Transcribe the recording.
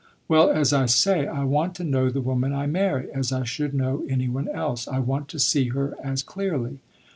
"Well, as I say, I want to know the woman I marry, as I should know any one else. I want to see her as clearly."